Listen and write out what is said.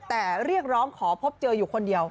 แต่เรียกร้องขอพบเจออยู่คนเดียว